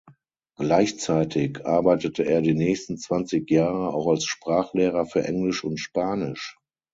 Gleichzeitig arbeitete er die nächsten zwanzig Jahre auch als Sprachlehrer für Englisch und Spanisch.